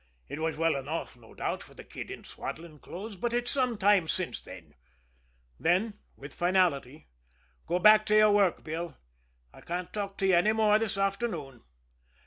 It was well enough, no doubt, for a kid in swaddling clothes but it's some time since then." Then, with finality: "Go back to your work, Bill I can't talk to you any more this afternoon."